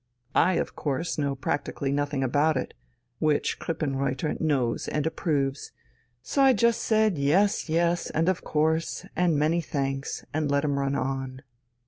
I, of course, know practically nothing about it which Krippenreuther knows and approves; so I just said 'yes, yes,' and 'of course,' and 'many thanks,' and let him run on."